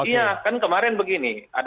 iya kan kemarin begini